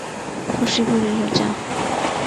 শশী বলিল, যা।